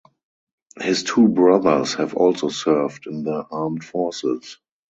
His two brothers have also served in the armed forces.